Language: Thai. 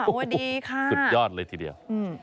ดีค่ะสุดยอดเลยทีเดียว